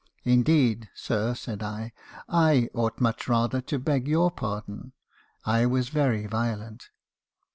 "'Indeed, sir,' said I; 'I ought much rather to beg your pardon. I was very violent.'